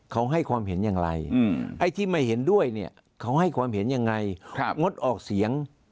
เขาให้ความเห็นอย่างไรไอ้ที่ไม่เห็นด้วยเนี่ยเขาให้ความเห็นยังไงงดออกเสียง